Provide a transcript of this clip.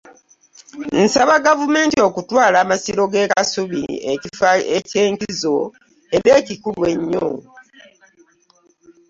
Nsaba gavumenti okutwala amasiro g'ekasubi ng'ekifo eiy'enkizo era ekikulu ennyo